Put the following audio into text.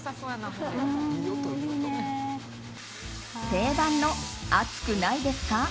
定番の熱くないですか？